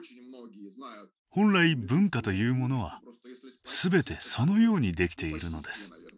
本来文化というものはすべてそのようにできているのです。